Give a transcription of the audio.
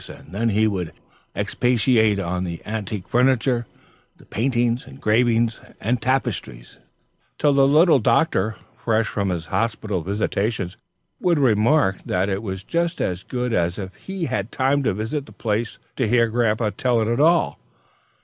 And then he would expatiate on the antique furniture, the paintings, engravings, and tapestries, till the little doctor, fresh from his hospital visitations, would remark that it was just as good as if he had time to visit the place, to hear Grandpapa tell it all.